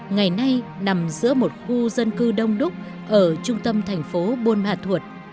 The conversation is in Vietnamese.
ngày nay nằm giữa một khu dân cư đông đúc ở trung tâm thành phố buôn ma thuột